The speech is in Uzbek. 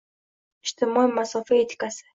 Ijtimoiy masofa etikasi